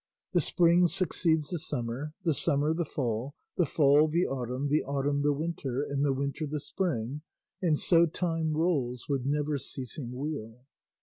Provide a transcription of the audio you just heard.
The spring succeeds the summer, the summer the fall, the fall the autumn, the autumn the winter, and the winter the spring, and so time rolls with never ceasing wheel.